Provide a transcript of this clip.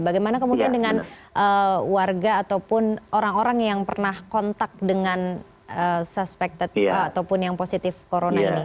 bagaimana kemudian dengan warga ataupun orang orang yang pernah kontak dengan suspekted ataupun yang positif corona ini